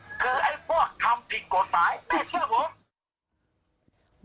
แม่ยังคงมั่นใจและก็มีความหวังในการทำงานของเจ้าหน้าที่ตำรวจค่ะ